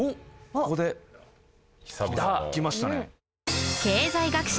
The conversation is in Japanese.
ここできましたね。